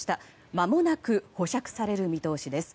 まもなく保釈される見通しです。